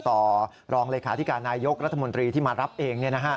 ต่อรองเลขาธิการนายกรัฐมนตรีที่มารับเอง